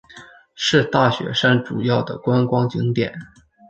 是大雪山主要的观光景点。